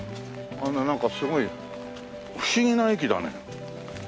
なんかすごい不思議な駅だね。